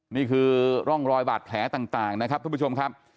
นี่คือร่องรอยบาดแผลต่างนะครับทุกผู้ชมครับ